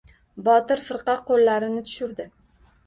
Botir firqa qo‘llarini tushirdi.